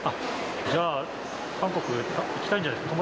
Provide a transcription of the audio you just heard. じゃあ、韓国行きたいんじゃないですか？